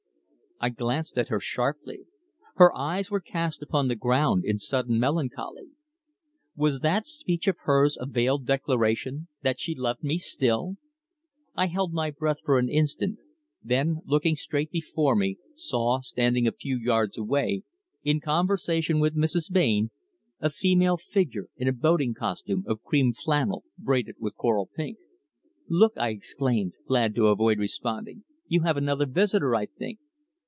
I glanced at her sharply. Her eyes were cast upon the ground in sudden melancholy. Was that speech of hers a veiled declaration that she loved me still! I held my breath for an instant, then looking straight before me, saw, standing a few yards away, in conversation with Mrs. Blain, a female figure in a boating costume of cream flannel braided with coral pink. "Look?" I exclaimed, glad to avoid responding. "You have another visitor, I think."